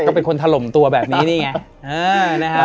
ก็เป็นคนถล่มตัวแบบนี้นี่ไง